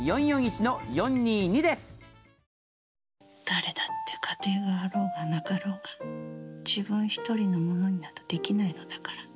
誰だって家庭があろうがなかろうが自分１人のものになどできないのだから。